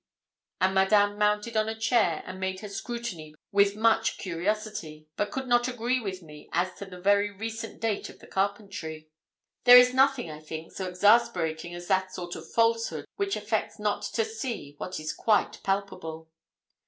And Madame mounted on a chair, and made her scrutiny with much curiosity, but could not agree with me as to the very recent date of the carpentry. There is nothing, I think, so exasperating as that sort of falsehood which affects not to see what is quite palpable.